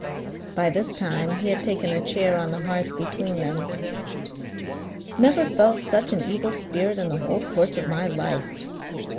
By this time he had taken a chair on the hearth between them. "Never felt such an evil spirit in the whole course of my life!